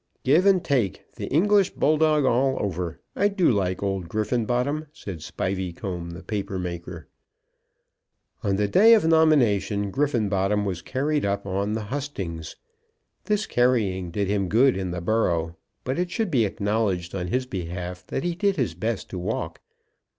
"Give and take, the English bull dog all over. I do like old Griffenbottom," said Spiveycomb, the paper maker. On the day of nomination Griffenbottom was carried up on the hustings. This carrying did him good in the borough; but it should be acknowledged on his behalf that he did his best to walk.